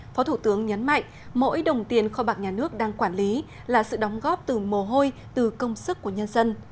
phó thủ tướng nhấn mạnh mỗi đồng tiền kho bạc nhà nước đang quản lý là sự đóng góp từ mồ hôi từ công sức của nhân dân